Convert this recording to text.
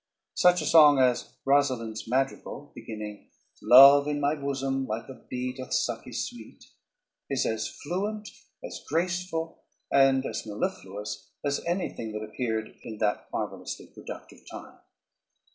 Such a song as Rosalynde's Madrigal, beginning, Love in my bosom, like a bee Doth suck his sweet: is as fluent, as graceful, and as mellifluous as anything that appeared in that marvelously productive time.